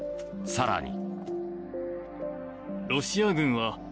更に。